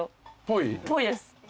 ぽいです。